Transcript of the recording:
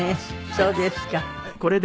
そうですか。